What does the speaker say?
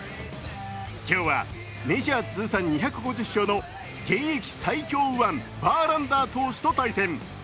今日は、メジャー通算２５０勝の現役最強右腕、バーランダー投手と対戦。